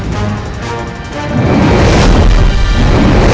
ini adalah penyelamatnya